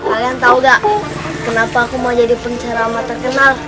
kalian tau nggak kenapa aku mau jadi penceramah terkenal